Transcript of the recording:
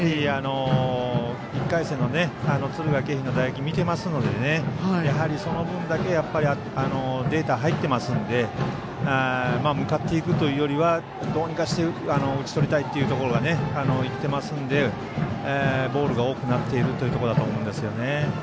１回戦の敦賀気比の打撃を見ていますのでやはりその分だけデータ入ってますんで向かっていくというよりはどうにかして打ち取りたいというところがいってますのでボールが多くなっているというところだと思うんですよね。